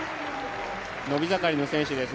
伸び盛りの選手です